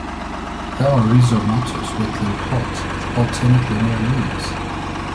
They are rhizomatous wetland plants with alternate linear leaves.